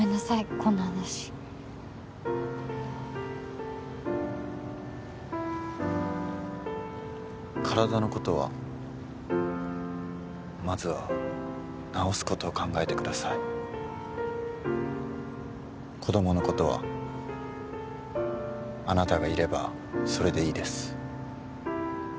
こんな話体のことはまずは治すことを考えてください子どものことはあなたがいればそれでいいです